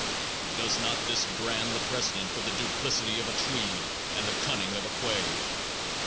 Does not this brand the president with the duplicity of a Tweed and the cunning of a Quay?